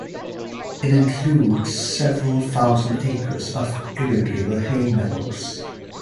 It includes several thousand acres of irrigated hay meadows.